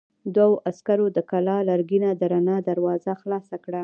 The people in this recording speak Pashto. دوو عسکرو د کلا لرګينه درنه دروازه خلاصه کړه.